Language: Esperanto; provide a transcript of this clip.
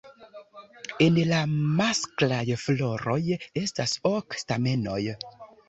En la masklaj floroj estas ok stamenoj.